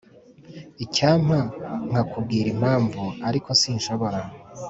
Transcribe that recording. icyampa nkakubwira impamvu, ariko sinshobora.